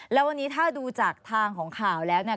แล้ววันนี้ถ้าดูจากทางของข่าวแล้วเนี่ย